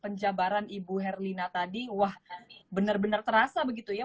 penjabaran ibu herlina tadi wah benar benar terasa begitu ya